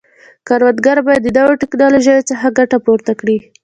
کروندګر باید د نوو ټکنالوژیو څخه ګټه پورته کړي.